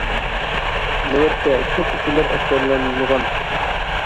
نۆۋەتتە كۆپ ئۇچۇرلار ئاشكارىلانمىغان.